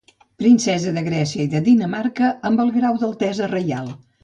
Princesa de Grècia i de Dinamarca amb el grau d'altesa reial.